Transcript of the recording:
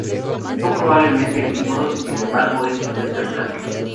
Son probablemente herbívoros, sin embargo esto no está claro.